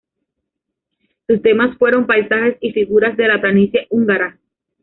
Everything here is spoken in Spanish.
Sus temas fueron paisajes y figuras de la planicie húngara.